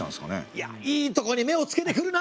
いやいいとこに目をつけてくるな！